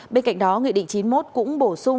bên cạnh đó nguyện định chín mươi một cũng bổ xuống